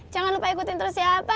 jangan lupa ikutin terus ya bye bye